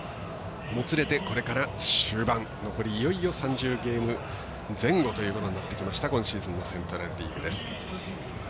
もつれて、これから終盤残りいよいよ３０ゲーム前後ということになってきました、今シーズンのセントラル・リーグです。